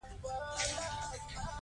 ښځې به ډوډۍ پخوي.